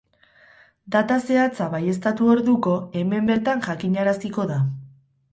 Data zehatza baieztatu orduko, hemen bertan jakinaraziko da.